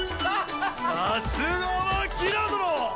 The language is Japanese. さすがはギラ殿！